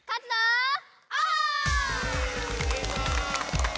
いいぞ！